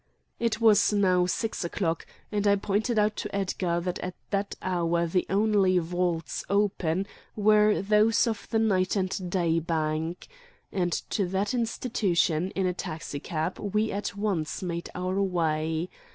It was now six o'clock, and I pointed out to Edgar that at that hour the only vaults open were those of the Night and Day Bank. And to that institution in a taxicab we at once made our way.